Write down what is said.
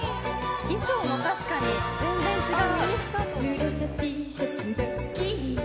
衣装も確かに全然違う。